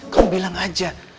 kamu bilang aja